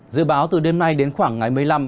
dự báo từ đêm nay đến khoảng ngày một mươi năm